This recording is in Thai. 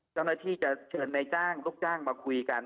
เจ้าหน้าที่จะเชิญนายจ้างลูกจ้างมาคุยกัน